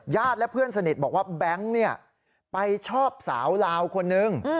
และเพื่อนสนิทบอกว่าแบงค์ไปชอบสาวลาวคนนึง